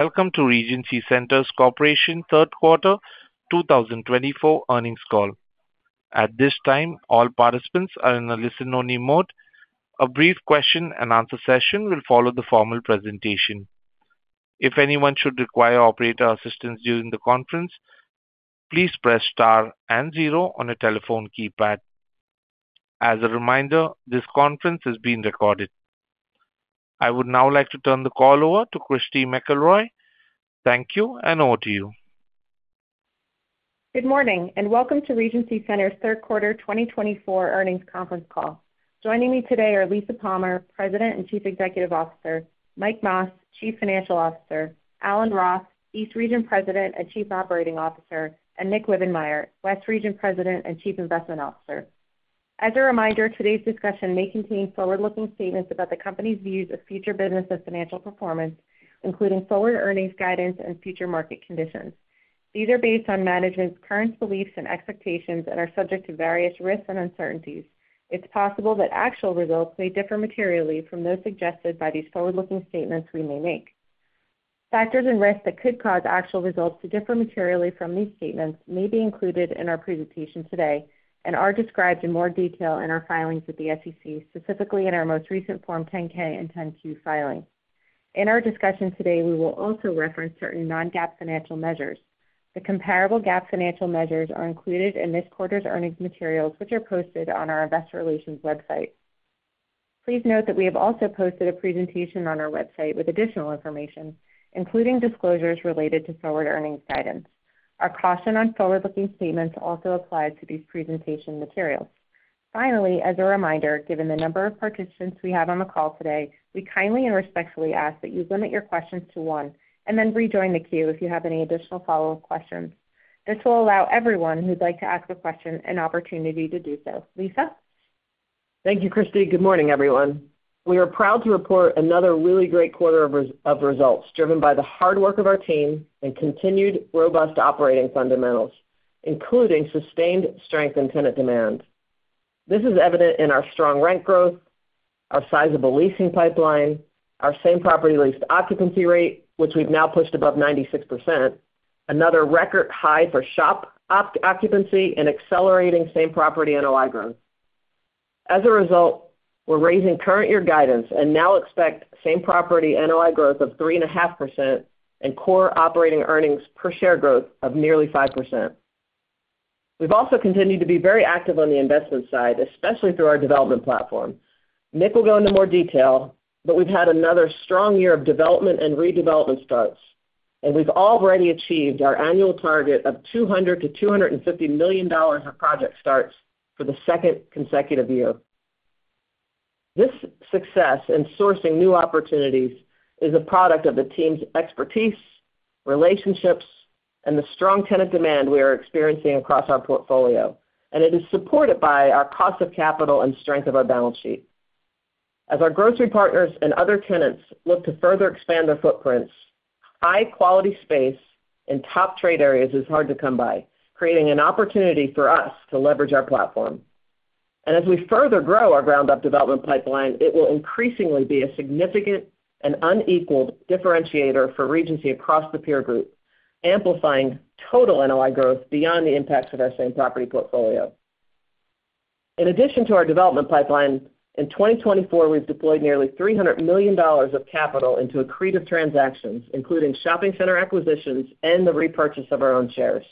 Welcome to Regency Centers Corporation Q3 2024 Earnings Call. At this time, all participants are in a listen-only mode. A brief question-and-answer session will follow the formal presentation. If anyone should require operator assistance during the conference, please press star and zero on a telephone keypad. As a reminder, this conference is being recorded. I would now like to turn the call over to Christy McElroy. Thank you, and over to you. Good morning, and welcome to Regency Centers Q3 2024 Earnings Conference Call. Joining me today are Lisa Palmer, President and Chief Executive Officer, Mike Mas, Chief Financial Officer, Alan Roth, East Region President and Chief Operating Officer, and Nick Wibbenmeyer, West Region President and Chief Investment Officer. As a reminder, today's discussion may contain forward-looking statements about the company's views of future business and financial performance, including forward earnings guidance and future market conditions. These are based on management's current beliefs and expectations and are subject to various risks and uncertainties. It's possible that actual results may differ materially from those suggested by these forward-looking statements we may make. Factors and risks that could cause actual results to differ materially from these statements may be included in our presentation today and are described in more detail in our filings with the SEC, specifically in our most recent Form 10-K and 10-Q filings. In our discussion today, we will also reference certain non-GAAP financial measures. The comparable GAAP financial measures are included in this quarter's earnings materials, which are posted on our Investor Relations website. Please note that we have also posted a presentation on our website with additional information, including disclosures related to forward earnings guidance. Our caution on forward-looking statements also applies to these presentation materials. Finally, as a reminder, given the number of participants we have on the call today, we kindly and respectfully ask that you limit your questions to one and then rejoin the queue if you have any additional follow-up questions. This will allow everyone who'd like to ask a question an opportunity to do so. Lisa? Thank you, Christy. Good morning, everyone. We are proud to report another really great quarter of results driven by the hard work of our team and continued robust operating fundamentals, including sustained strength in tenant demand. This is evident in our strong rent growth, our sizable leasing pipeline, our same-property leased occupancy rate, which we've now pushed above 96%, another record high for shop occupancy, and accelerating same-property NOI growth. As a result, we're raising current-year guidance and now expect same-property NOI growth of 3.5% and core operating earnings per share growth of nearly 5%. We've also continued to be very active on the investment side, especially through our development platform. Nick will go into more detail, but we've had another strong year of development and redevelopment starts, and we've already achieved our annual target of $200-$250 million of project starts for the second consecutive year. This success in sourcing new opportunities is a product of the team's expertise, relationships, and the strong tenant demand we are experiencing across our portfolio, and it is supported by our cost of capital and strength of our balance sheet. As our grocery partners and other tenants look to further expand their footprints, high-quality space in top trade areas is hard to come by, creating an opportunity for us to leverage our platform, and as we further grow our ground-up development pipeline, it will increasingly be a significant and unequaled differentiator for Regency across the peer group, amplifying total NOI growth beyond the impacts of our same-property portfolio. In addition to our development pipeline, in 2024, we've deployed nearly $300 million of capital into accretive transactions, including shopping center acquisitions and the repurchase of our own shares.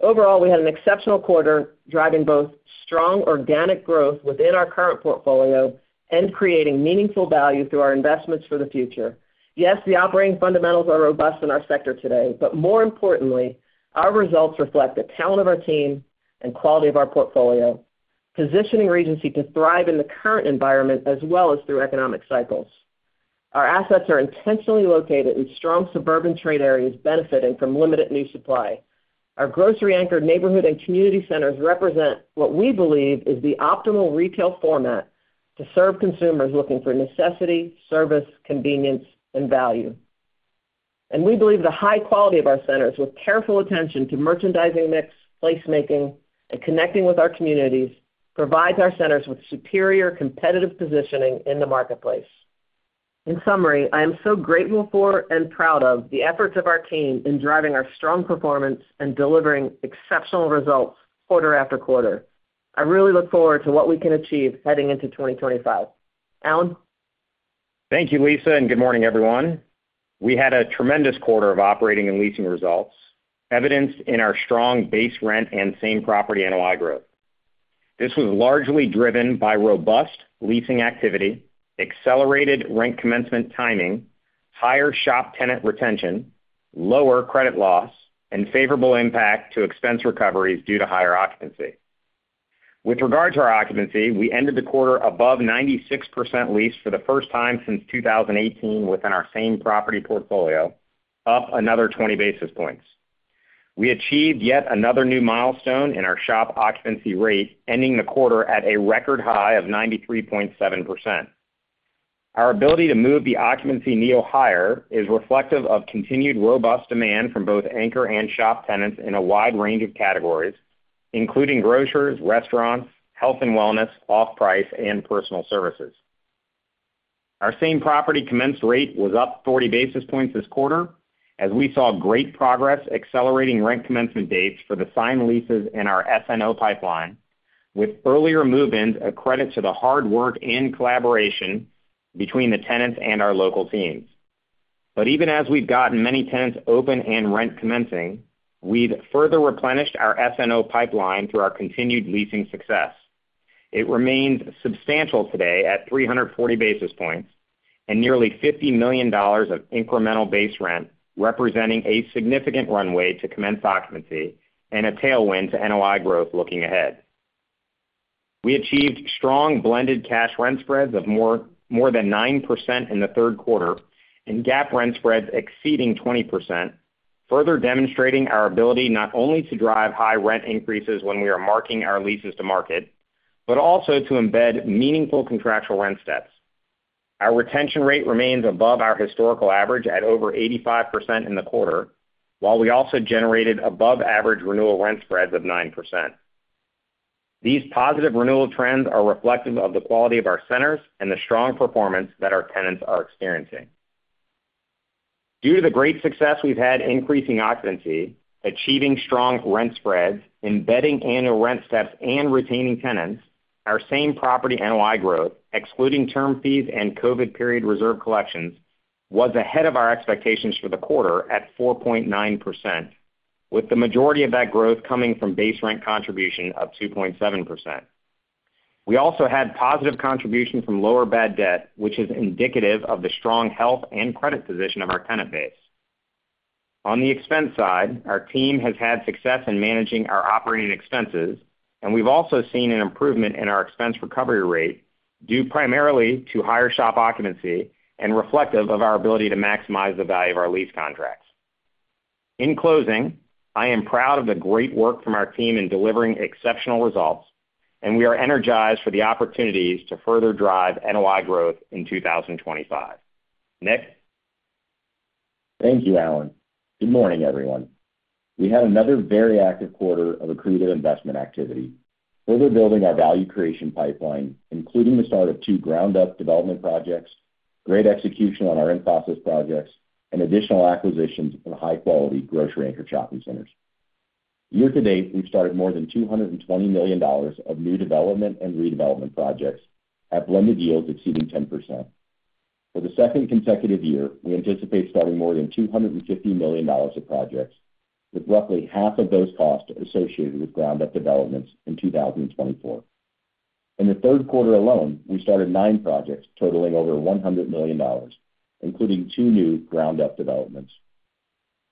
Overall, we had an exceptional quarter, driving both strong organic growth within our current portfolio and creating meaningful value through our investments for the future. Yes, the operating fundamentals are robust in our sector today, but more importantly, our results reflect the talent of our team and quality of our portfolio, positioning Regency to thrive in the current environment as well as through economic cycles. Our assets are intentionally located in strong suburban trade areas benefiting from limited new supply. Our grocery-anchored neighborhood and community centers represent what we believe is the optimal retail format to serve consumers looking for necessity, service, convenience, and value, and we believe the high quality of our centers, with careful attention to merchandising mix, placemaking, and connecting with our communities, provides our centers with superior competitive positioning in the marketplace. In summary, I am so grateful for and proud of the efforts of our team in driving our strong performance and delivering exceptional results quarter-after-quarter. I really look forward to what we can achieve heading into 2025. Alan? Thank you, Lisa, and good morning, everyone. We had a tremendous quarter of operating and leasing results, evidenced in our strong base rent and same-property NOI growth. This was largely driven by robust leasing activity, accelerated rent commencement timing, higher shop tenant retention, lower credit loss, and favorable impact to expense recoveries due to higher occupancy. With regard to our occupancy, we ended the quarter above 96% leased for the first time since 2018 within our same-property portfolio, up another 20 basis points. We achieved yet another new milestone in our shop occupancy rate, ending the quarter at a record high of 93.7%. Our ability to move the occupancy needle higher is reflective of continued robust demand from both anchor and shop tenants in a wide range of categories, including grocers, restaurants, health and wellness, off-price, and personal services. Our same-property commenced rate was up 40 basis points this quarter, as we saw great progress accelerating rent commencement dates for the signed leases in our S&O pipeline, with earlier movements a credit to the hard work and collaboration between the tenants and our local teams. But even as we've gotten many tenants open and rent commencing, we've further replenished our S&O pipeline through our continued leasing success. It remains substantial today at 340 basis points and nearly $50 million of incremental base rent, representing a significant runway to commence occupancy and a tailwind to NOI growth looking ahead. We achieved strong blended cash rent spreads of more than 9% in the Q3 and GAAP rent spreads exceeding 20%, further demonstrating our ability not only to drive high rent increases when we are marking our leases to market, but also to embed meaningful contractual rent steps. Our retention rate remains above our historical average at over 85% in the quarter, while we also generated above-average renewal rent spreads of 9%. These positive renewal trends are reflective of the quality of our centers and the strong performance that our tenants are experiencing. Due to the great success we've had increasing occupancy, achieving strong rent spreads, embedding annual rent steps, and retaining tenants, our same-property NOI growth, excluding term fees and COVID period reserve collections, was ahead of our expectations for the quarter at 4.9%, with the majority of that growth coming from base rent contribution of 2.7%. We also had positive contribution from lower bad debt, which is indicative of the strong health and credit position of our tenant base. On the expense side, our team has had success in managing our operating expenses, and we've also seen an improvement in our expense recovery rate due primarily to higher shop occupancy and reflective of our ability to maximize the value of our lease contracts. In closing, I am proud of the great work from our team in delivering exceptional results, and we are energized for the opportunities to further drive NOI growth in 2025. Nick? Thank you, Alan. Good morning, everyone. We had another very active quarter of accretive investment activity, further building our value creation pipeline, including the start of two ground-up development projects, great execution on our in-process projects, and additional acquisitions of high-quality grocery-anchored shopping centers. Year to date, we've started more than $220 million of new development and redevelopment projects at blended yields exceeding 10%. For the second consecutive year, we anticipate starting more than $250 million of projects, with roughly half of those costs associated with ground-up developments in 2024. In the Q3 alone, we started nine projects totaling over $100 million, including two new ground-up developments.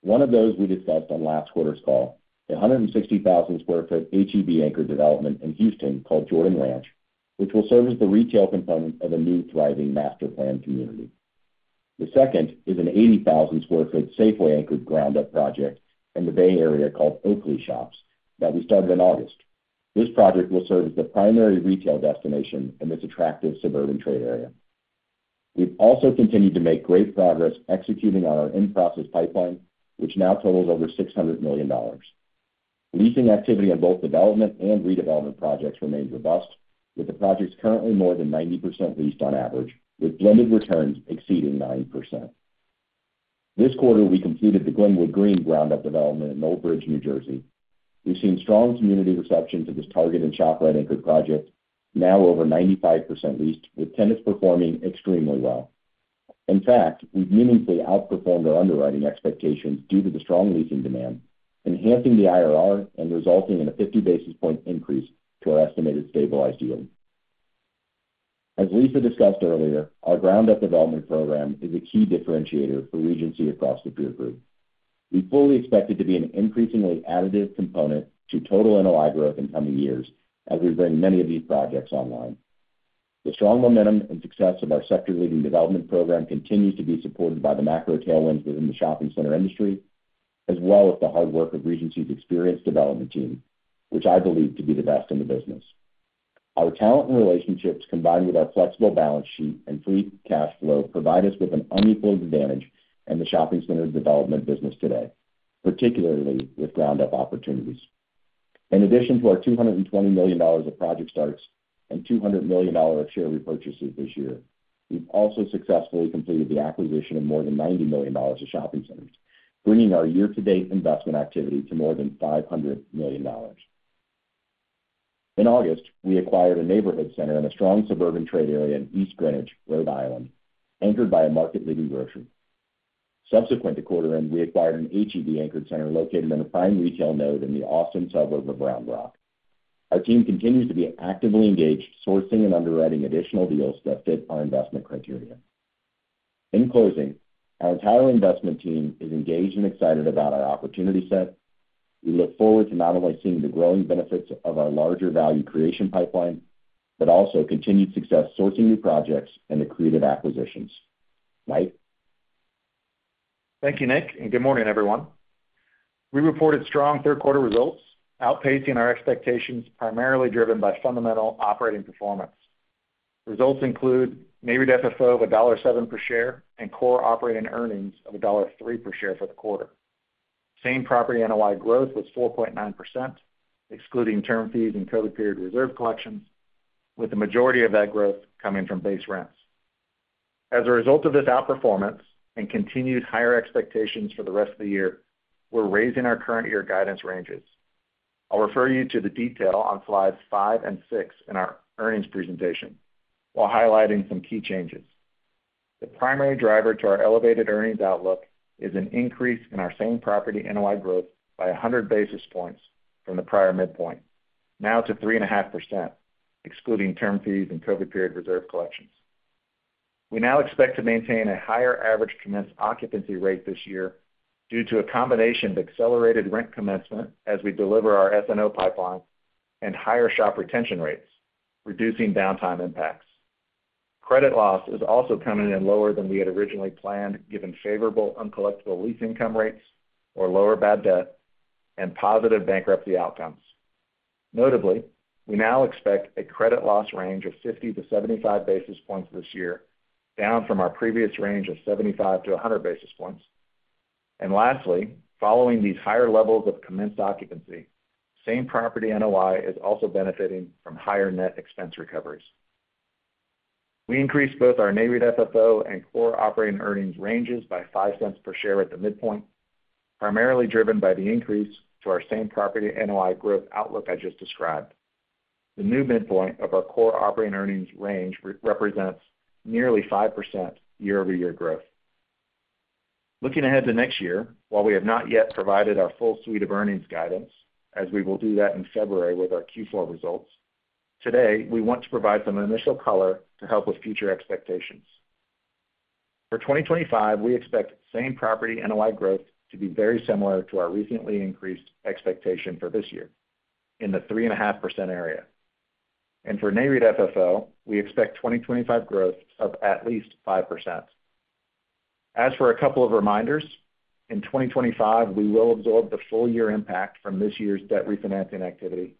One of those we discussed on last quarter's call, a 160,000 sq ft H-E-B-anchored development in Houston called Jordan Ranch, which will serve as the retail component of a new thriving master plan community. The second is an 80,000 sq ft Safeway-anchored ground-up project in the Bay Area called Oakley Shops that we started in August. This project will serve as the primary retail destination in this attractive suburban trade area. We've also continued to make great progress executing on our in-process pipeline, which now totals over $600 million. Leasing activity on both development and redevelopment projects remains robust, with the projects currently more than 90% leased on average, with blended returns exceeding 9%. This quarter, we completed the Glenwood Green ground-up development in Old Bridge, New Jersey. We've seen strong community reception to this targeted ShopRite-anchored project, now over 95% leased, with tenants performing extremely well. In fact, we've meaningfully outperformed our underwriting expectations due to the strong leasing demand, enhancing the IRR and resulting in a 50 basis points increase to our estimated stabilized yield. As Lisa discussed earlier, our ground-up development program is a key differentiator for Regency across the peer group. We fully expect it to be an increasingly additive component to total NOI growth in coming years as we bring many of these projects online. The strong momentum and success of our sector-leading development program continues to be supported by the macro tailwinds within the shopping center industry, as well as the hard work of Regency's experienced development team, which I believe to be the best in the business. Our talent and relationships, combined with our flexible balance sheet and free cash flow, provide us with an unequal advantage in the shopping center development business today, particularly with ground-up opportunities. In addition to our $220 million of project starts and $200 million of share repurchases this year, we've also successfully completed the acquisition of more than $90 million of shopping centers, bringing our year-to-date investment activity to more than $500 million. In August, we acquired a neighborhood center in a strong suburban trade area in East Greenwich, Rhode Island, anchored by a market-leading grocery. Subsequent to quarter-end, we acquired an H-E-B-anchored center located in a prime retail node in the Austin suburb of Round Rock. Our team continues to be actively engaged, sourcing and underwriting additional deals that fit our investment criteria. In closing, our entire investment team is engaged and excited about our opportunity set. We look forward to not only seeing the growing benefits of our larger value creation pipeline, but also continued success sourcing new projects and accretive acquisitions. Mike? Thank you, Nick, and good morning, everyone. We reported strong Q3 results, outpacing our expectations primarily driven by fundamental operating performance. Results include Nareit FFO of $1.07 per share and core operating earnings of $1.03 per share for the quarter. Same-property NOI growth was 4.9%, excluding term fees and COVID period reserve collections, with the majority of that growth coming from base rents. As a result of this outperformance and continued higher expectations for the rest of the year, we're raising our current-year guidance ranges. I'll refer you to the detail on slides five and six in our earnings presentation while highlighting some key changes. The primary driver to our elevated earnings outlook is an increase in our same-property NOI growth by 100 basis points from the prior midpoint, now to 3.5%, excluding term fees and COVID period reserve collections. We now expect to maintain a higher average commenced occupancy rate this year due to a combination of accelerated rent commencement as we deliver our S&O pipeline and higher shop retention rates, reducing downtime impacts. Credit loss is also coming in lower than we had originally planned, given favorable uncollectible lease income rates or lower bad debt and positive bankruptcy outcomes. Notably, we now expect a credit loss range of 50-75 basis points this year, down from our previous range of 75-100 basis points. Lastly, following these higher levels of commenced occupancy, same-property NOI is also benefiting from higher net expense recoveries. We increased both our Nareit FFO and core operating earnings ranges by $0.05 per share at the midpoint, primarily driven by the increase to our same-property NOI growth outlook I just described. The new midpoint of our core operating earnings range represents nearly 5% year-over-year growth. Looking ahead to next year, while we have not yet provided our full suite of earnings guidance, as we will do that in February with our Q4 results, today, we want to provide some initial color to help with future expectations. For 2025, we expect same-property NOI growth to be very similar to our recently increased expectation for this year in the 3.5% area. And for Nareit FFO, we expect 2025 growth of at least 5%. As for a couple of reminders, in 2025, we will absorb the full year impact from this year's debt refinancing activity,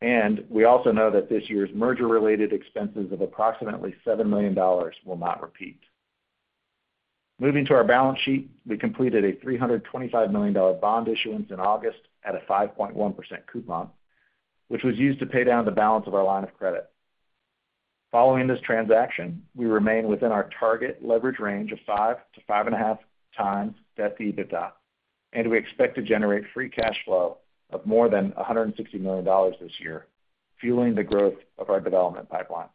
and we also know that this year's merger-related expenses of approximately $7 million will not repeat. Moving to our balance sheet, we completed a $325 million bond issuance in August at a 5.1% coupon, which was used to pay down the balance of our line of credit. Following this transaction, we remain within our target leverage range of 5-5.5 times Debt-to-EBITDA, and we expect to generate Free Cash Flow of more than $160 million this year, fueling the growth of our development pipeline.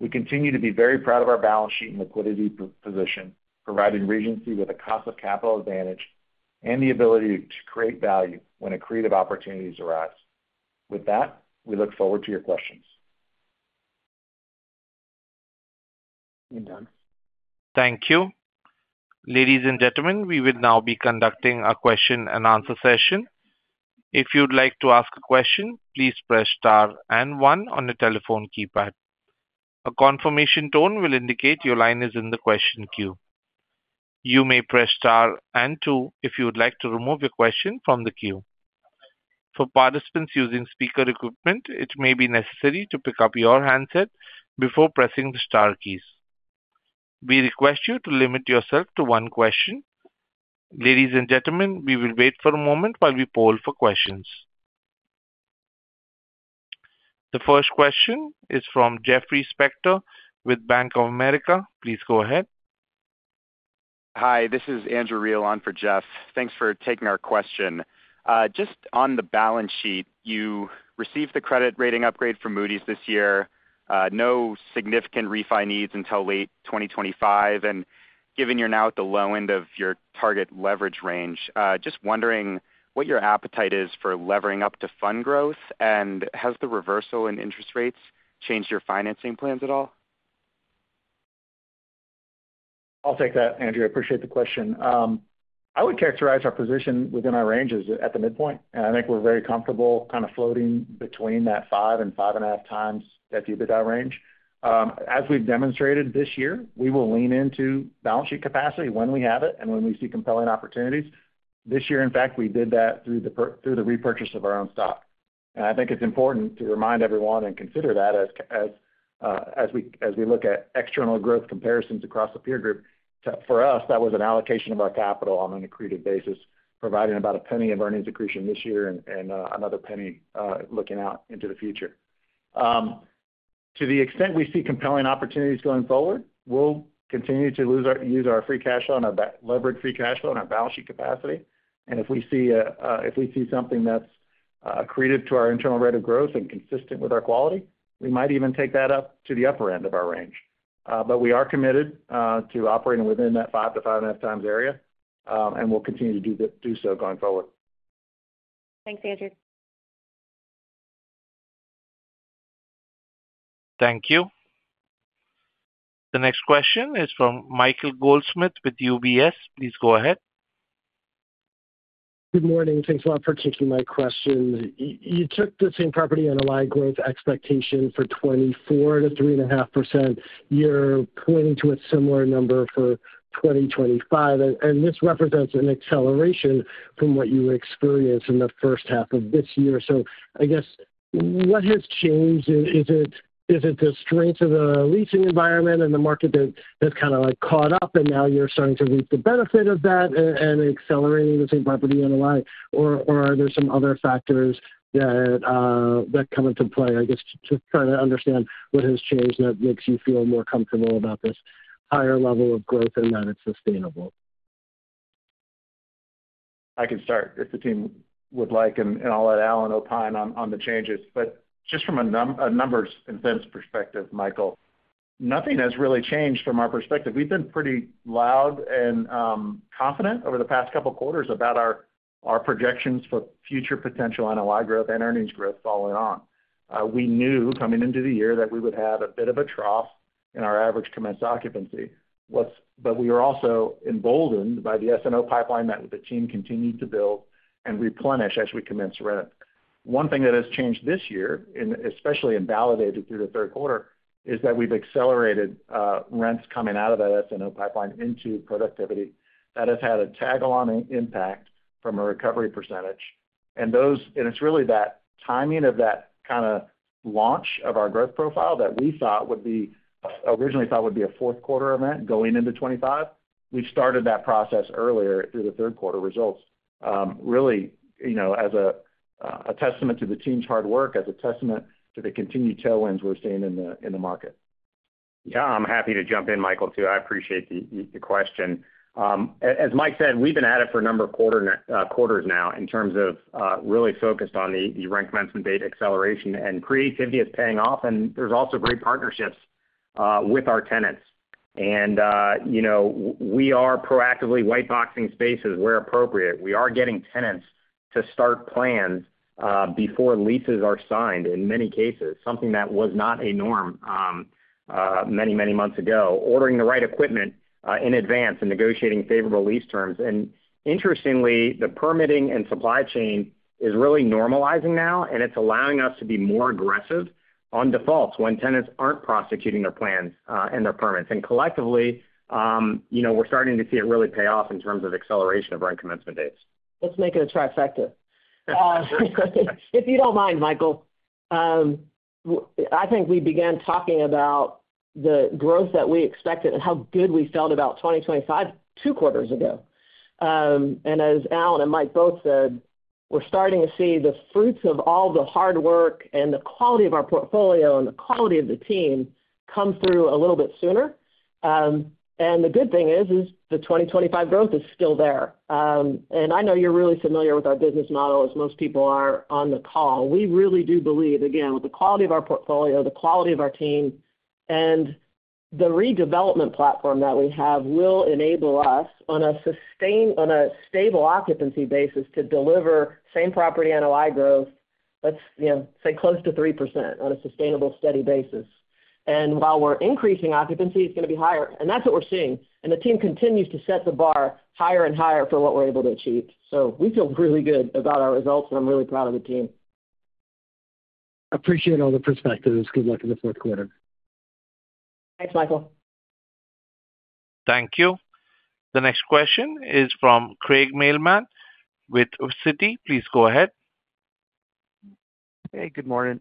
We continue to be very proud of our balance sheet and liquidity position, providing Regency with a cost of capital advantage and the ability to create value when accretive opportunities arise. With that, we look forward to your questions. Thank you. Ladies and gentlemen, we will now be conducting a question-and-answer session. If you'd like to ask a question, please press star and one on the telephone keypad. A confirmation tone will indicate your line is in the question queue. You may press star and two if you would like to remove your question from the queue. For participants using speaker equipment, it may be necessary to pick up your handset before pressing the star keys. We request you to limit yourself to one question. Ladies and gentlemen, we will wait for a moment while we poll for questions. The first question is from Jeffrey Spector with Bank of America. Please go ahead. Hi, this is Andrew Reale for Jeff. Thanks for taking our question. Just on the balance sheet, you received the credit rating upgrade for Moody's this year, no significant refinance needs until late 2025, and given you're now at the low end of your target leverage range, just wondering what your appetite is for levering up to fund growth, and has the reversal in interest rates changed your financing plans at all? I'll take that, Andrew. I appreciate the question. I would characterize our position within our ranges at the midpoint. I think we're very comfortable kind of floating between that five and five and a half times debt-to-EBITDA range. As we've demonstrated this year, we will lean into balance sheet capacity when we have it and when we see compelling opportunities. This year, in fact, we did that through the repurchase of our own stock. And I think it's important to remind everyone and consider that as we look at external growth comparisons across the peer group. For us, that was an allocation of our capital on an accretive basis, providing about a penny of earnings accretion this year and another penny looking out into the future. To the extent we see compelling opportunities going forward, we'll continue to use our free cash flow and our leverage free cash flow and our balance sheet capacity. And if we see something that's accretive to our internal rate of growth and consistent with our quality, we might even take that up to the upper end of our range. But we are committed to operating within that 5-5.5 times area, and we'll continue to do so going forward. Thanks, Andrew. Thank you. The next question is from Michael Goldsmith with UBS. Please go ahead. Good morning. Thanks a lot for taking my question. You took the Same-Property NOI growth expectation for 2024 to 3.5%. You're pointing to a similar number for 2025, and this represents an acceleration from what you experienced in the H1 of this year. So I guess, what has changed? Is it the strength of the leasing environment and the market that's kind of caught up, and now you're starting to reap the benefit of that and accelerating the Same-Property NOI, or are there some other factors that come into play? I guess just trying to understand what has changed that makes you feel more comfortable about this higher level of growth and that it's sustainable. I can start if the team would like, and I'll let Alan opine on the changes, but just from a numbers and cents perspective, Michael, nothing has really changed from our perspective. We've been pretty loud and confident over the past couple of quarters about our projections for future potential NOI growth and earnings growth following on. We knew coming into the year that we would have a bit of a trough in our average commenced occupancy, but we were also emboldened by the SNO pipeline that the team continued to build and replenish as we commenced rent. One thing that has changed this year, and especially validated through the Q3, is that we've accelerated rents coming out of that SNO pipeline into productivity. That has had a tag-along impact from a recovery percentage. It's really that timing of that kind of launch of our growth profile that we originally thought would be a Q4 event going into 2025. We started that process earlier through the Q3 results, really as a testament to the team's hard work, as a testament to the continued tailwinds we're seeing in the market. Yeah, I'm happy to jump in, Michael, too. I appreciate the question. As Mike said, we've been at it for a number of quarters now in terms of really focused on the rent commencement date acceleration, and creativity is paying off, and there's also great partnerships with our tenants. We are proactively white-boxing spaces where appropriate. We are getting tenants to start plans before leases are signed in many cases, something that was not a norm many, many months ago, ordering the right equipment in advance and negotiating favorable lease terms. Interestingly, the permitting and supply chain is really normalizing now, and it's allowing us to be more aggressive on defaults when tenants aren't prosecuting their plans and their permits. Collectively, we're starting to see it really pay off in terms of acceleration of rent commencement dates. Let's make it attractive. If you don't mind, Michael, I think we began talking about the growth that we expected and how good we felt about 2025 two quarters ago. And as Alan and Mike both said, we're starting to see the fruits of all the hard work and the quality of our portfolio and the quality of the team come through a little bit sooner. And the good thing is the 2025 growth is still there. And I know you're really familiar with our business model, as most people are on the call. We really do believe, again, with the quality of our portfolio, the quality of our team, and the redevelopment platform that we have will enable us on a stable occupancy basis to deliver Same-Property NOI growth, let's say close to 3% on a sustainable, steady basis. And while we're increasing occupancy, it's going to be higher. That's what we're seeing. The team continues to set the bar higher and higher for what we're able to achieve. We feel really good about our results, and I'm really proud of the team. Appreciate all the perspectives. Good luck in the Q4. Thanks, Michael. Thank you. The next question is from Craig Mailman with Citi. Please go ahead. Hey, good morning.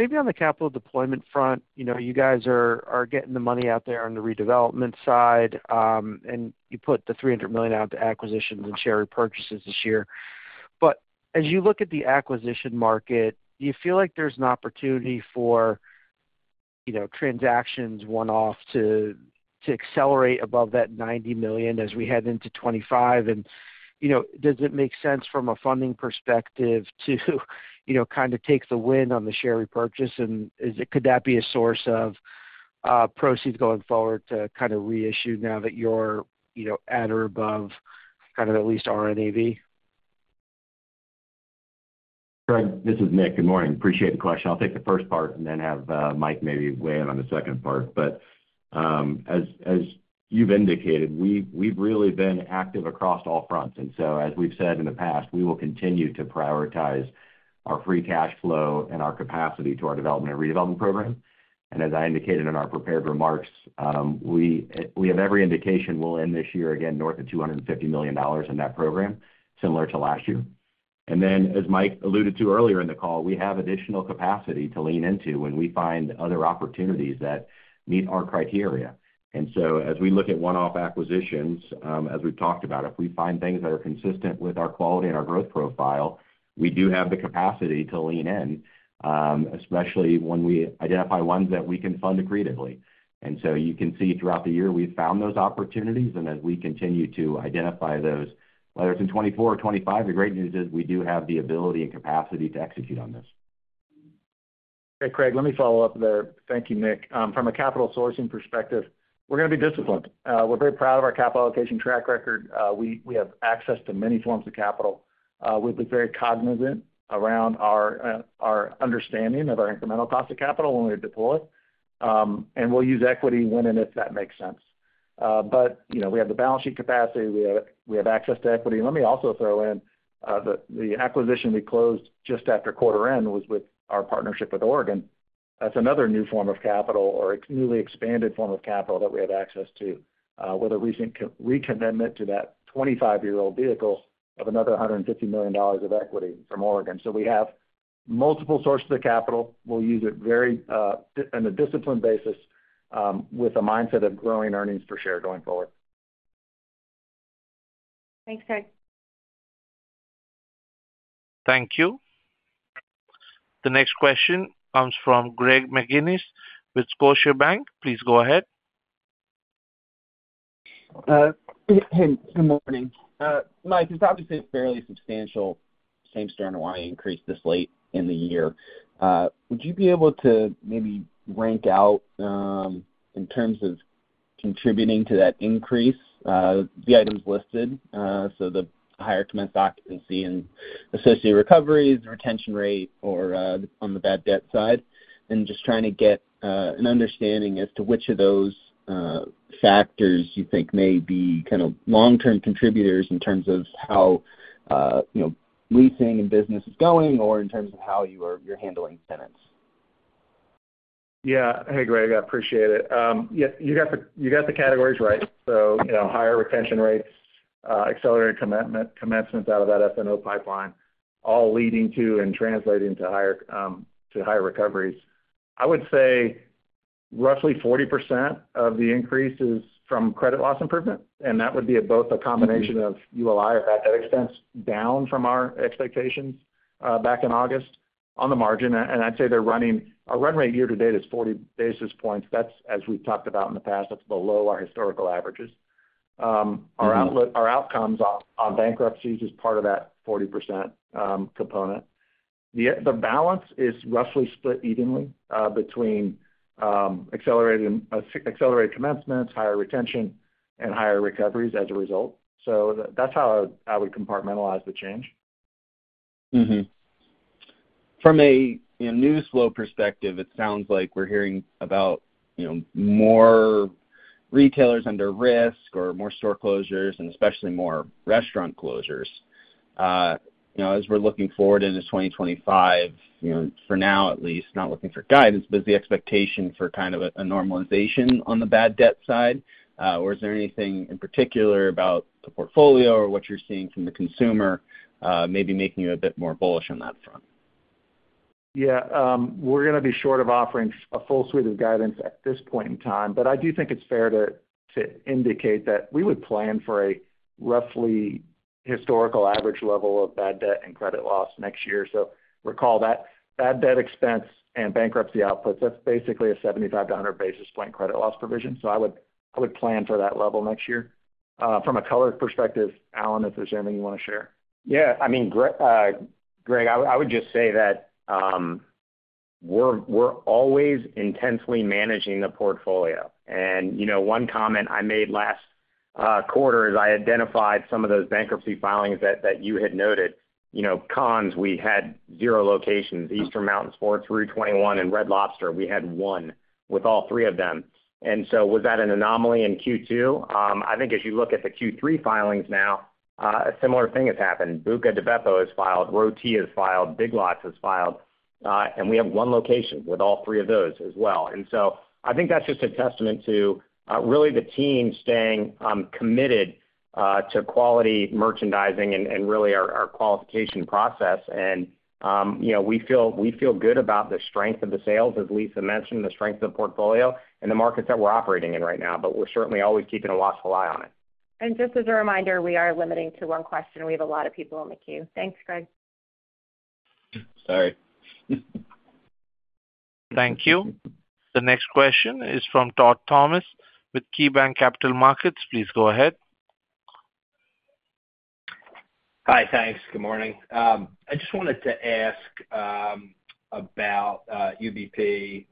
Maybe on the capital deployment front, you guys are getting the money out there on the redevelopment side, and you put the $300 million out to acquisitions and share repurchases this year. But as you look at the acquisition market, do you feel like there's an opportunity for transactions one-off to accelerate above that $90 million as we head into 2025? And does it make sense from a funding perspective to kind of take the win on the share repurchase? And could that be a source of proceeds going forward to kind of reissue now that you're at or above kind of at least RNAV? Craig, this is Nick. Good morning. Appreciate the question. I'll take the first part and then have Mike maybe weigh in on the second part. But as you've indicated, we've really been active across all fronts. And so as we've said in the past, we will continue to prioritize our free cash flow and our capacity to our development and redevelopment program. And as I indicated in our prepared remarks, we have every indication we'll end this year again north of $250 million in that program, similar to last year. And then, as Mike alluded to earlier in the call, we have additional capacity to lean into when we find other opportunities that meet our criteria. And so as we look at one-off acquisitions, as we've talked about, if we find things that are consistent with our quality and our growth profile, we do have the capacity to lean in, especially when we identify ones that we can fund accretively. And so you can see throughout the year we've found those opportunities, and as we continue to identify those, whether it's in 2024 or 2025, the great news is we do have the ability and capacity to execute on this. Hey, Craig, let me follow up there. Thank you, Nick. From a capital sourcing perspective, we're going to be disciplined. We're very proud of our capital allocation track record. We have access to many forms of capital. We've been very cognizant around our understanding of our incremental cost of capital when we deploy it, and we'll use equity when and if that makes sense. But we have the balance sheet capacity. We have access to equity. Let me also throw in the acquisition we closed just after quarter end was with our partnership with Oregon. That's another new form of capital or a newly expanded form of capital that we have access to with a recent recommitment to that 25-year-old vehicle of another $150 million of equity from Oregon. So we have multiple sources of capital. We'll use it very on a disciplined basis with a mindset of growing earnings per share going forward. Thanks, Craig. Thank you. The next question comes from Greg McGinnis with Scotiabank. Please go ahead. Hey, good morning. Mike, it's obviously fairly substantial same-store NOI increase this late in the year. Would you be able to maybe rank out in terms of contributing to that increase the items listed? So the higher commenced occupancy and associated recoveries, retention rate, or on the bad debt side, and just trying to get an understanding as to which of those factors you think may be kind of long-term contributors in terms of how leasing and business is going or in terms of how you're handling tenants? Yeah. Hey, Greg, I appreciate it. You got the categories right. So higher retention rates, accelerated commencements out of that SNO pipeline, all leading to and translating to higher recoveries. I would say roughly 40% of the increase is from credit loss improvement, and that would be both a combination of ULI or that debt expense down from our expectations back in August on the margin. And I'd say our run rate year-to-date is 40 basis points. That's, as we've talked about in the past, that's below our historical averages. Our outcomes on bankruptcies is part of that 40% component. The balance is roughly split evenly between accelerated commencements, higher retention, and higher recoveries as a result. So that's how I would compartmentalize the change. From a news flow perspective, it sounds like we're hearing about more retailers under risk or more store closures, and especially more restaurant closures. As we're looking forward into 2025, for now at least, not looking for guidance, but is the expectation for kind of a normalization on the bad debt side, or is there anything in particular about the portfolio or what you're seeing from the consumer maybe making you a bit more bullish on that front? Yeah. We're going to be short of offering a full suite of guidance at this point in time, but I do think it's fair to indicate that we would plan for a roughly historical average level of bad debt and credit loss next year. So recall that bad debt expense and bankruptcy outputs, that's basically a 75-100 basis point credit loss provision. So I would plan for that level next year. From a color perspective, Alan, if there's anything you want to share. Yeah. I mean, Greg, I would just say that we're always intensely managing the portfolio. And one comment I made last quarter is I identified some of those bankruptcy filings that you had noted. Conn's, we had zero locations. Eastern Mountain Sports, Rue21, and Red Lobster, we had one with all three of them. And so was that an anomaly in Q2? I think as you look at the Q3 filings now, a similar thing has happened. Buca di Beppo has filed, Roti has filed, Big Lots has filed, and we have one location with all three of those as well. And so I think that's just a testament to really the team staying committed to quality merchandising and really our qualification process. And we feel good about the strength of the sales, as Lisa mentioned, the strength of the portfolio and the markets that we're operating in right now, but we're certainly always keeping a watchful eye on it. Just as a reminder, we are limiting to one question. We have a lot of people on the queue. Thanks, Greg. Sorry. Thank you. The next question is from Todd Thomas with KeyBanc Capital Markets. Please go ahead. Hi, thanks. Good morning. I just wanted to ask about UBS,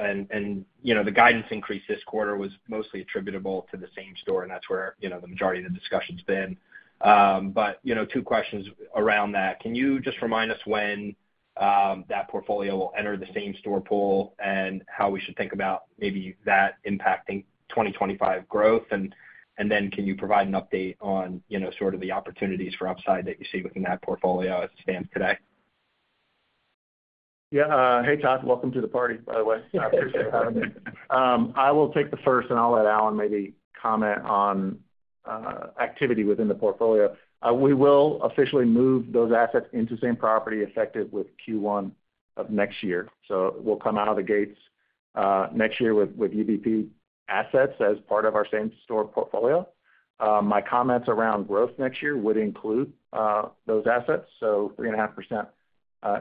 and the guidance increase this quarter was mostly attributable to the same store, and that's where the majority of the discussion's been. But two questions around that. Can you just remind us when that portfolio will enter the same store pool and how we should think about maybe that impacting 2025 growth? And then can you provide an update on sort of the opportunities for upside that you see within that portfolio as it stands today? Yeah. Hey, Todd. Welcome to the party, by the way. I appreciate having you. I will take the first, and I'll let Alan maybe comment on activity within the portfolio. We will officially move those assets into same-property effective with Q1 of next year. So we'll come out of the gates next year with UBP assets as part of our same-store portfolio. My comments around growth next year would include those assets. So 3.5%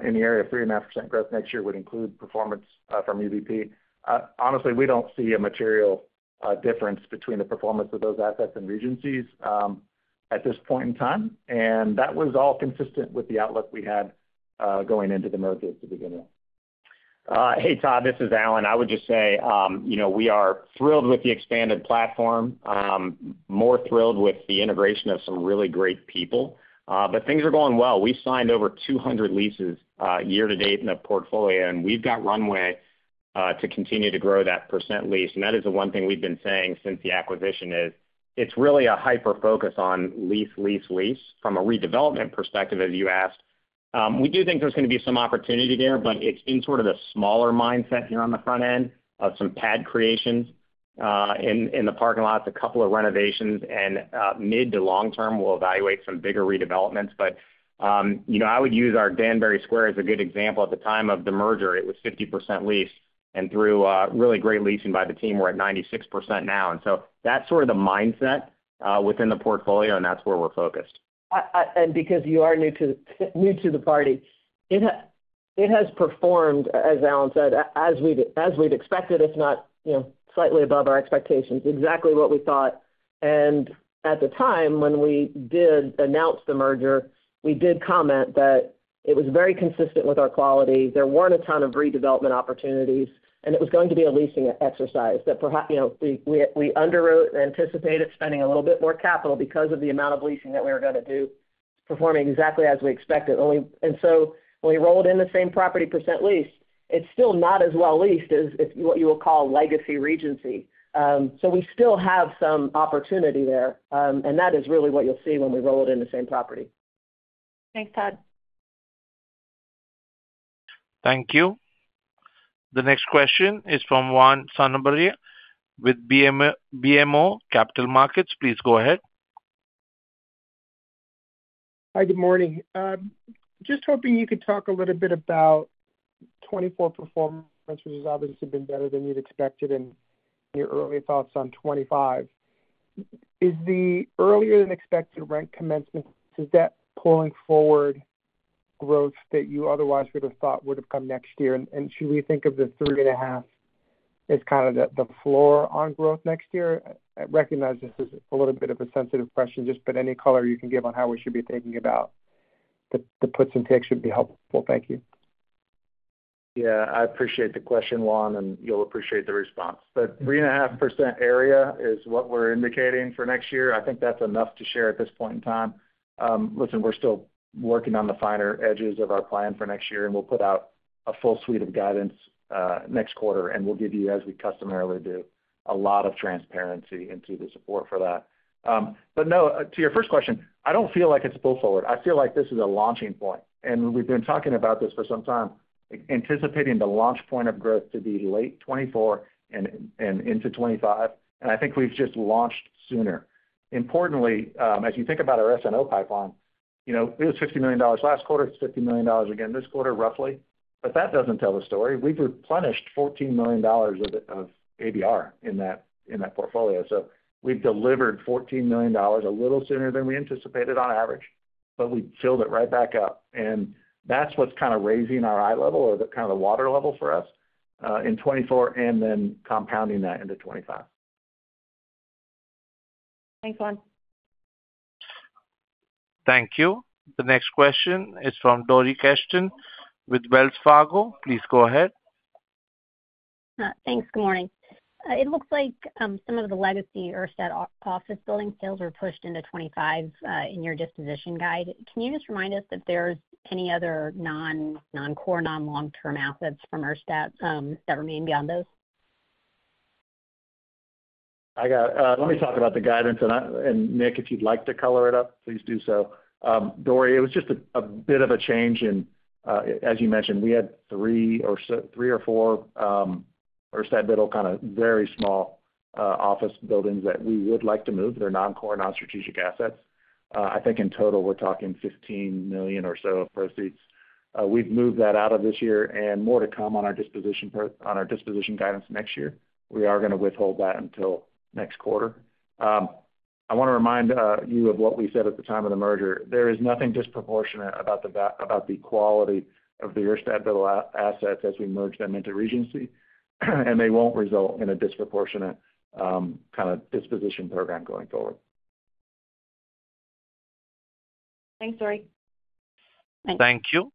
in the area, 3.5% growth next year would include performance from UBP. Honestly, we don't see a material difference between the performance of those assets and Regency's at this point in time, and that was all consistent with the outlook we had going into the merger at the beginning. Hey, Todd. This is Alan. I would just say we are thrilled with the expanded platform, more thrilled with the integration of some really great people. But things are going well. We signed over 200 leases year-to-date in the portfolio, and we've got runway to continue to grow that percent lease. And that is the one thing we've been saying since the acquisition. It's really a hyper-focus on lease, lease, lease from a redevelopment perspective, as you asked. We do think there's going to be some opportunity there, but it's in sort of a smaller mindset here on the front end of some pad creations in the parking lots, a couple of renovations, and mid- to long-term we'll evaluate some bigger redevelopments. But I would use our Danbury Square as a good example. At the time of the merger, it was 50% leased, and through really great leasing by the team, we're at 96% now. And so that's sort of the mindset within the portfolio, and that's where we're focused. And because you are new to the party, it has performed, as Alan said, as we'd expected, if not slightly above our expectations, exactly what we thought. And at the time when we did announce the merger, we did comment that it was very consistent with our quality. There weren't a ton of redevelopment opportunities, and it was going to be a leasing exercise that we underwrote and anticipated spending a little bit more capital because of the amount of leasing that we were going to do, performing exactly as we expected. And so when we rolled in the same-property percent leased, it's still not as well leased as what you will call legacy Regency. So we still have some opportunity there, and that is really what you'll see when we roll it in the same property. Thanks, Todd. Thank you. The next question is from Juan Sanabria with BMO Capital Markets. Please go ahead. Hi, good morning. Just hoping you could talk a little bit about 2024 performance, which has obviously been better than you'd expected, and your early thoughts on 2025. Is the earlier-than-expected rent commencements, is that pulling forward growth that you otherwise would have thought would have come next year? And should we think of the 3.5% as kind of the floor on growth next year? I recognize this is a little bit of a sensitive question, just but any color you can give on how we should be thinking about the puts and takes should be helpful. Thank you. Yeah. I appreciate the question, Juan, and you'll appreciate the response. The 3.5% area is what we're indicating for next year. I think that's enough to share at this point in time. Listen, we're still working on the finer edges of our plan for next year, and we'll put out a full suite of guidance next quarter, and we'll give you, as we customarily do, a lot of transparency into the support for that. But no, to your first question, I don't feel like it's a pull forward. I feel like this is a launching point, and we've been talking about this for some time, anticipating the launch point of growth to be late 2024 and into 2025, and I think we've just launched sooner. Importantly, as you think about our S&O pipeline, it was $50 million last quarter, it's $50 million again this quarter, roughly, but that doesn't tell the story. We've replenished $14 million of ABR in that portfolio, so we've delivered $14 million a little sooner than we anticipated on average, but we filled it right back up, and that's what's kind of raising our eye level or kind of the water level for us in 2024 and then compounding that into 2025. Thanks, Juan. Thank you. The next question is from Dori Keston with Wells Fargo. Please go ahead. Thanks. Good morning. It looks like some of the legacy or stat office building sales were pushed into 2025 in your disposition guide. Can you just remind us if there's any other non-core, non-long-term assets from our stat that remain beyond those? I got it. Let me talk about the guidance, and Nick, if you'd like to color it up, please do so. Dori, it was just a bit of a change in, as you mentioned, we had three or four or Stat middle kind of very small office buildings that we would like to move. They're non-core, non-strategic assets. I think in total we're talking $15 million or so proceeds. We've moved that out of this year and more to come on our disposition guidance next year. We are going to withhold that until next quarter. I want to remind you of what we said at the time of the merger. There is nothing disproportionate about the quality of the Stat middle assets as we merge them into Regency, and they won't result in a disproportionate kind of disposition program going forward. Thanks, Dori. Thank you.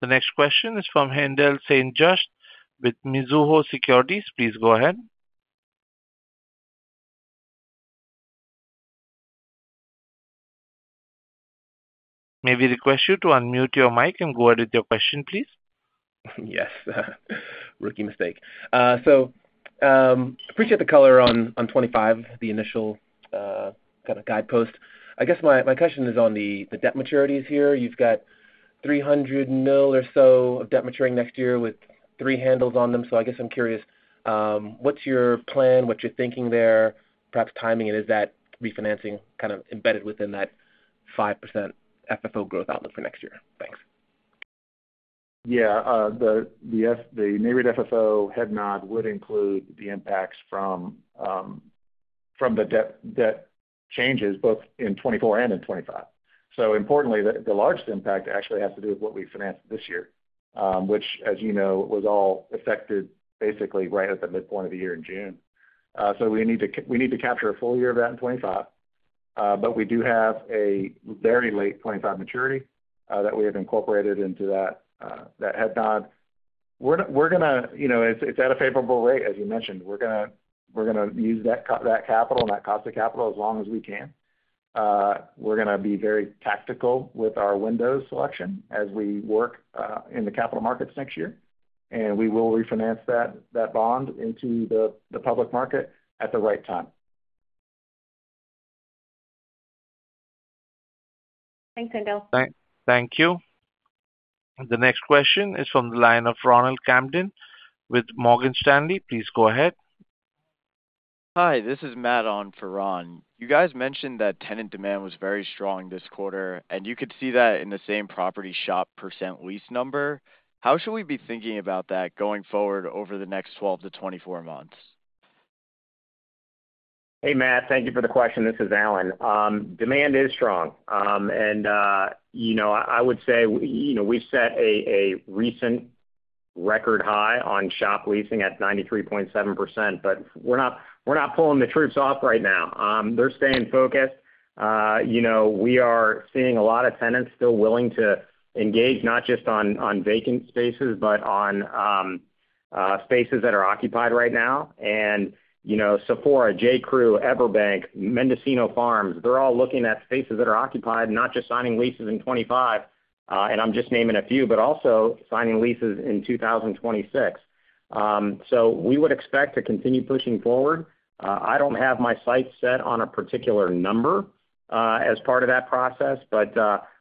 The next question is from Haendel St. Juste with Mizuho Securities. Please go ahead. May we request you to unmute your mic and go ahead with your question, please? Yes. Rookie mistake. So appreciate the color on 2025, the initial kind of guidepost. I guess my question is on the debt maturities here. You've got $300 million or so of debt maturing next year with three handles on them. So I guess I'm curious, what's your plan, what's your thinking there, perhaps timing it? Is that refinancing kind of embedded within that 5% FFO growth outlook for next year? Thanks. Yeah. The Nareit FFO headwind would include the impacts from the debt changes both in 2024 and in 2025. So importantly, the largest impact actually has to do with what we financed this year, which, as you know, was all affected basically right at the midpoint of the year in June. So we need to capture a full year of that in 2025, but we do have a very late 2025 maturity that we have incorporated into that headwind. We're going to. It's at a favorable rate, as you mentioned. We're going to use that capital and that cost of capital as long as we can. We're going to be very tactical with our window selection as we work in the capital markets next year, and we will refinance that bond into the public market at the right time. Thanks, Haendel. Thank you. The next question is from the line of Ronald Kamdem with Morgan Stanley. Please go ahead. Hi, this is Matt on for Ron. You guys mentioned that tenant demand was very strong this quarter, and you could see that in the same-property shop percent leased number. How should we be thinking about that going forward over the next 12-24 months? Hey, Matt, thank you for the question. This is Alan. Demand is strong, and I would say we've set a recent record high on shop leasing at 93.7%, but we're not pulling the troops off right now. They're staying focused. We are seeing a lot of tenants still willing to engage, not just on vacant spaces, but on spaces that are occupied right now. Sephora, J.Crew, EverBank, Mendocino Farms, they're all looking at spaces that are occupied, not just signing leases in 2025, and I'm just naming a few, but also signing leases in 2026. So we would expect to continue pushing forward. I don't have my sights set on a particular number as part of that process, but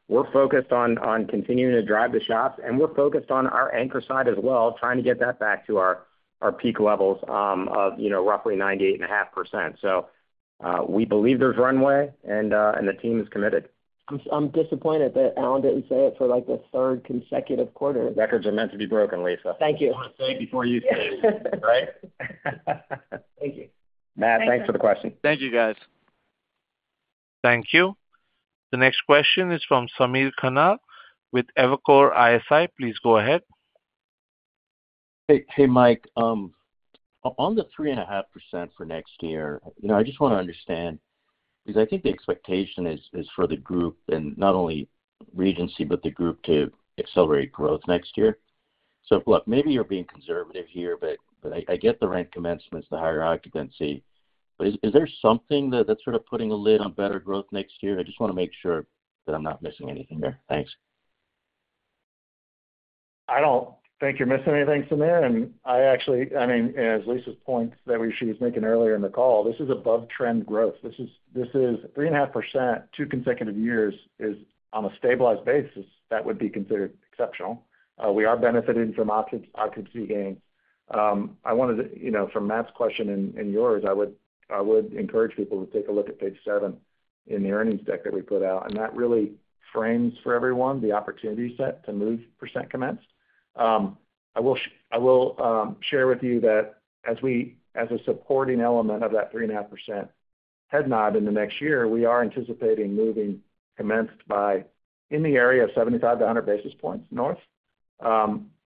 we're focused on continuing to drive the shops, and we're focused on our anchor side as well, trying to get that back to our peak levels of roughly 98.5%. We believe there's runway, and the team is committed. I'm disappointed that Alan didn't say it for the third consecutive quarter. Records are meant to be broken, Lisa. Thank you. I want to say it before you say it, right? Thank you. Matt, thanks for the question. Thank you, guys. Thank you. The next question is from Samir Khanal with Evercore ISI. Please go ahead. Hey, Mike. On the 3.5% for next year, I just want to understand because I think the expectation is for the group, and not only Regency, but the group to accelerate growth next year. Look, maybe you're being conservative here, but I get the rent commencements, the higher occupancy, but is there something that's sort of putting a lid on better growth next year? I just want to make sure that I'm not missing anything here. Thanks. I don't think you're missing anything, Samir. And I actually, I mean, as Lisa's point that she was making earlier in the call, this is above trend growth. This is 3.5% two consecutive years is on a stabilized basis that would be considered exceptional. We are benefiting from occupancy gains. I wanted to, from Matt's question and yours, I would encourage people to take a look at page seven in the earnings deck that we put out, and that really frames for everyone the opportunity set to move percent commenced. I will share with you that as a supporting element of that 3.5% headwind in the next year, we are anticipating moving our commenced occupancy by in the area of 75-100 basis points north,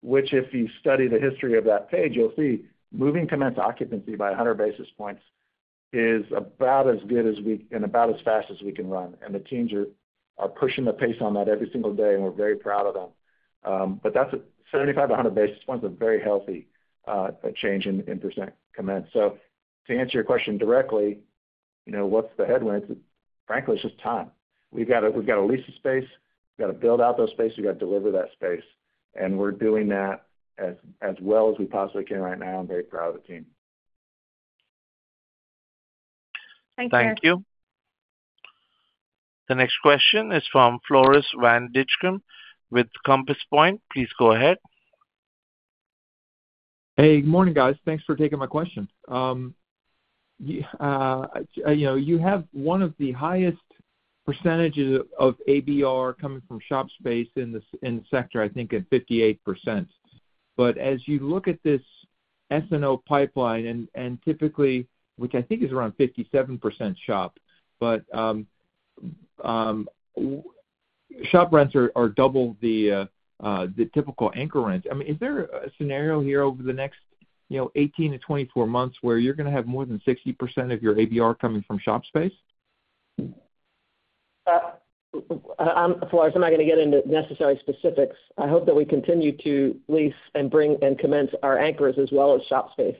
which if you study the history of that page, you'll see moving commenced occupancy by 100 basis points is about as good as we can and about as fast as we can run. The teams are pushing the pace on that every single day, and we're very proud of them. That's 75-100 basis points is a very healthy change in percent commenced. To answer your question directly, what's the headwind? Frankly, it's just time. We've got to lease the space. We've got to build out those spaces. We've got to deliver that space, and we're doing that as well as we possibly can right now, and very proud of the team. Thank you. Thank you. The next question is from Floris van Dijkum with Compass Point. Please go ahead. Hey, good morning, guys. Thanks for taking my question. You have one of the highest percentages of ABR coming from shop space in the sector, I think, at 58%. But as you look at this S&O pipeline, and typically, which I think is around 57% shop, but shop rents are double the typical anchor rent. I mean, is there a scenario here over the next 18-24 months where you're going to have more than 60% of your ABR coming from shop space? Floris, I'm not going to get into necessary specifics. I hope that we continue to lease and bring and commence our anchors as well as shop space.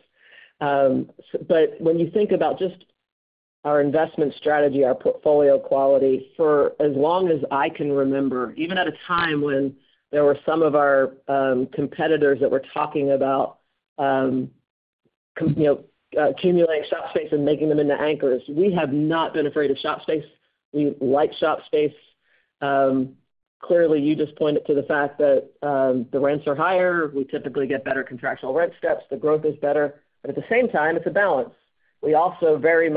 But when you think about just our investment strategy, our portfolio quality, for as long as I can remember, even at a time when there were some of our competitors that were talking about accumulating shop space and making them into anchors, we have not been afraid of shop space. We like shop space. Clearly, you just pointed to the fact that the rents are higher. We typically get better contractual rent steps. The growth is better. But at the same time, it's a balance. We also very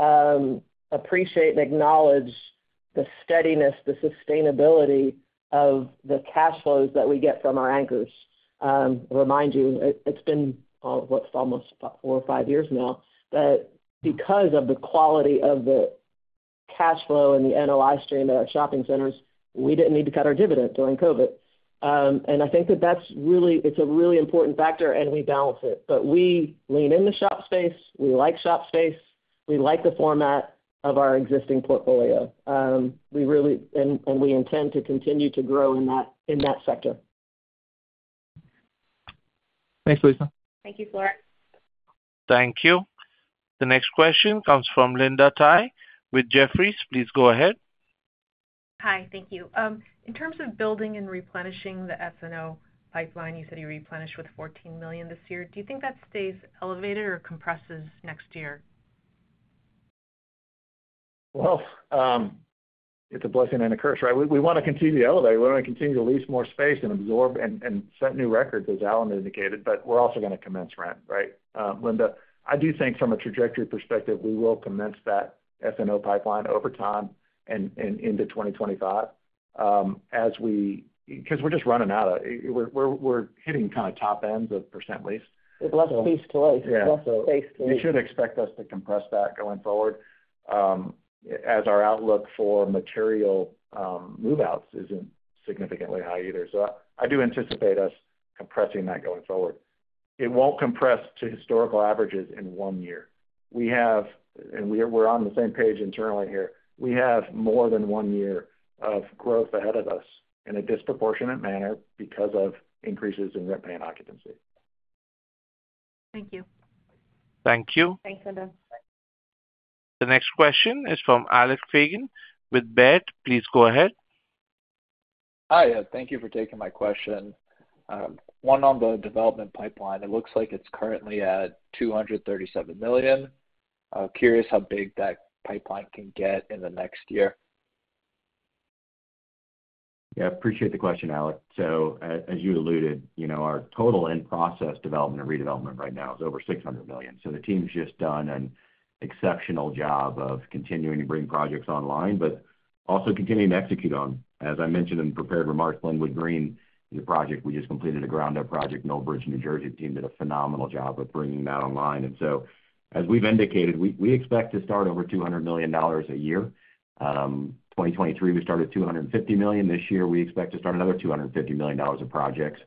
much appreciate and acknowledge the steadiness, the sustainability of the cash flows that we get from our anchors. Remind you, it's been almost four or five years now that because of the quality of the cash flow and the NOI stream at our shopping centers, we didn't need to cut our dividend during COVID. And I think that that's really it's a really important factor, and we balance it. But we lean into shop space. We like shop space. We like the format of our existing portfolio, and we intend to continue to grow in that sector. Thanks, Lisa. Thank you, Floris. Thank you. The next question comes from Linda Tsai with Jefferies. Please go ahead. Hi. Thank you. In terms of building and replenishing the SNO pipeline, you said you replenished with $14 million this year. Do you think that stays elevated or compresses next year? It's a blessing and a curse, right? We want to continue to elevate. We want to continue to lease more space and absorb and set new records, as Alan indicated, but we're also going to commence rent, right? Linda, I do think from a trajectory perspective, we will commence that SNO pipeline over time and into 2025 as we because we're just running out of it. We're hitting kind of top ends of percent lease. It's less space to lease. You should expect us to compress that going forward as our outlook for material move-outs isn't significantly high either, so I do anticipate us compressing that going forward. It won't compress to historical averages in one year, and we're on the same page internally here. We have more than one year of growth ahead of us in a disproportionate manner because of increases in rent-paying occupancy. Thank you. Thank you. Thanks, Linda. The next question is from Alex Craigen with BTIG. Please go ahead. Hi. Thank you for taking my question. One on the development pipeline. It looks like it's currently at $237 million. Curious how big that pipeline can get in the next year. Yeah. Appreciate the question, Alex. So as you alluded, our total in-process development and redevelopment right now is over $600 million. So the team's just done an exceptional job of continuing to bring projects online, but also continuing to execute on, as I mentioned in prepared remarks, Glenwood Green, the project we just completed, a ground-up project, Old Bridge, New Jersey, the team did a phenomenal job of bringing that online. And so as we've indicated, we expect to start over $200 million a year. 2023, we started $250 million. This year, we expect to start another $250 million of projects.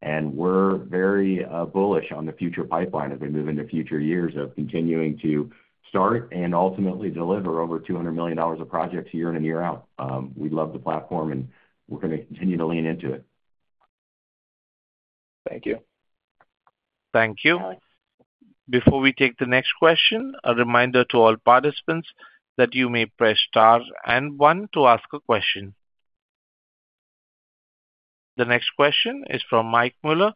And we're very bullish on the future pipeline as we move into future years of continuing to start and ultimately deliver over $200 million of projects year in and year out. We love the platform, and we're going to continue to lean into it. Thank you. Thank you. Before we take the next question, a reminder to all participants that you may press star and one to ask a question. The next question is from Michael Mueller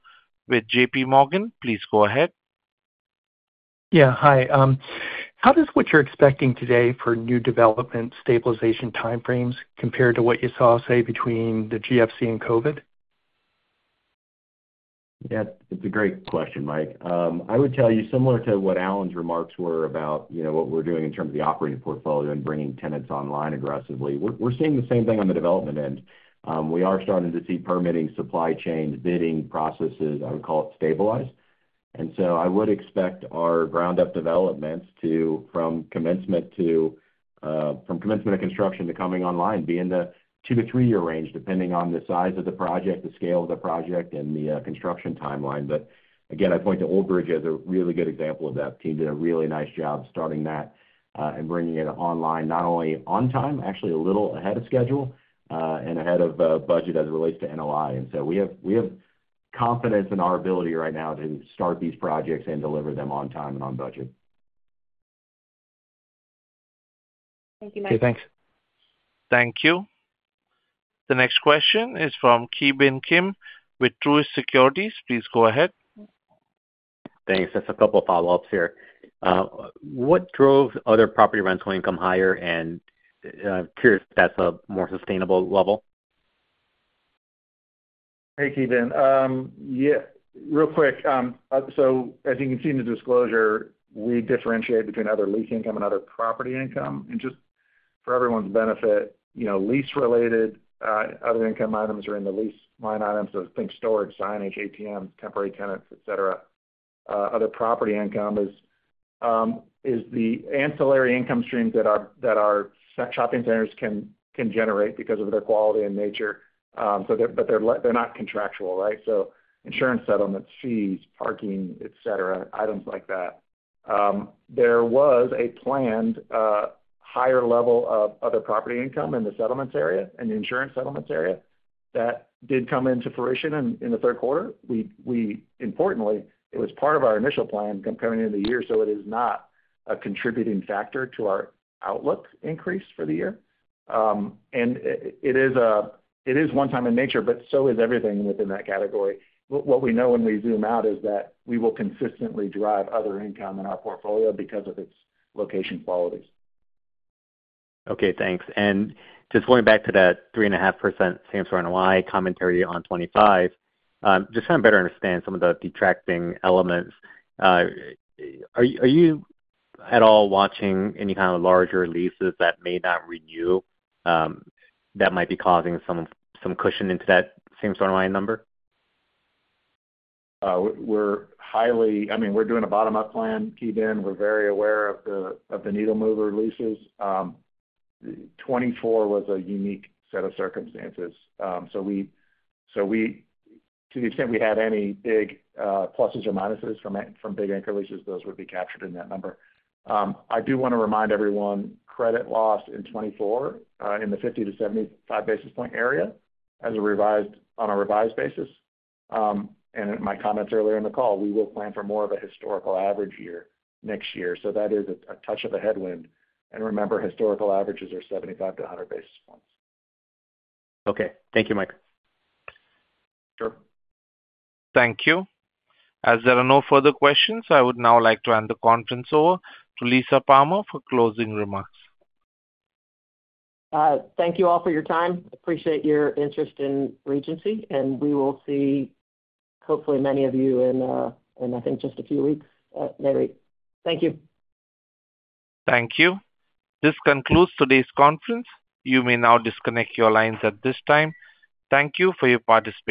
with JPMorgan. Please go ahead. Yeah. Hi. How does what you're expecting today for new development stabilization timeframes compare to what you saw, say, between the GFC and COVID? Yeah. It's a great question, Mike. I would tell you, similar to what Alan's remarks were about what we're doing in terms of the operating portfolio and bringing tenants online aggressively, we're seeing the same thing on the development end. We are starting to see permitting, supply chains, bidding processes, I would call it, stabilize. And so I would expect our ground-up developments from commencement of construction to coming online be in the two- to three-year range, depending on the size of the project, the scale of the project, and the construction timeline. But again, I point to Old Bridge as a really good example of that. The team did a really nice job starting that and bringing it online, not only on time, actually a little ahead of schedule and ahead of budget as it relates to NOI. And so we have confidence in our ability right now to start these projects and deliver them on time and on budget. Thank you, Mike. Okay. Thanks. Thank you. The next question is from Ki Bin Kim with Truist Securities. Please go ahead. Thanks. Just a couple of follow-ups here. What drove other property rental income higher? And I'm curious if that's a more sustainable level? Hey, Ki Bin. Yeah. Real quick. So as you can see in the disclosure, we differentiate between other lease income and other property income. And just for everyone's benefit, lease-related other income items are in the lease line items. So think storage, signage, ATMs, temporary tenants, etc. Other property income is the ancillary income streams that our shopping centers can generate because of their quality and nature, but they're not contractual, right? So insurance settlements, fees, parking, etc., items like that. There was a planned higher level of other property income in the settlements area and the insurance settlements area that did come into fruition in the Q3. Importantly, it was part of our initial plan coming into the year, so it is not a contributing factor to our outlook increase for the year. And it is one-time in nature, but so is everything within that category. What we know when we zoom out is that we will consistently drive other income in our portfolio because of its location qualities. Okay. Thanks, and just going back to that 3.5% Same-Property NOI commentary on 2025, just so I better understand some of the detracting elements. Are you at all watching any kind of larger leases that may not renew that might be causing some cushion into that same sort of line number? I mean, we're doing a bottom-up plan, Ki Bin. We're very aware of the needle-mover leases. 2024 was a unique set of circumstances. So to the extent we had any big pluses or minuses from big anchor leases, those would be captured in that number. I do want to remind everyone, credit lost in 2024 in the 50-75 basis points area on a revised basis. And in my comments earlier in the call, we will plan for more of a historical average year next year. So that is a touch of a headwind, and remember, historical averages are 75-100 basis points. Okay. Thank you, Mike. Sure. Thank you. As there are no further questions, I would now like to hand the conference over to Lisa Palmer for closing remarks. Thank you all for your time. Appreciate your interest in Regency. We will see, hopefully, many of you in, I think, just a few weeks. Thank you. Thank you. This concludes today's conference. You may now disconnect your lines at this time. Thank you for your participation.